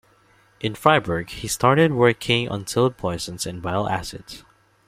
In Freiburg he started working on toad poisons and bile acids.